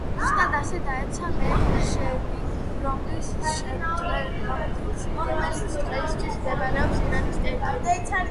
ზუსტად ასე, დაეცა მეშჰედი, რომელიც დღეისათვის მდებარეობს ირანის ტერიტორიაზე.